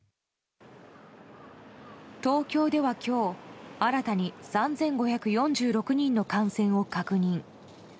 東京では今日新たに３５４６人の感染を確認。